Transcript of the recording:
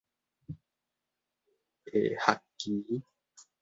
下學期